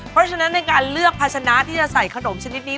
เพราะฉะนั้นในการเลือกภาชนะที่จะใส่ขนมชนิดนี้